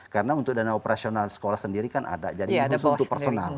karena untuk dana operasional sekolah sendiri kan ada jadi ini khusus untuk personal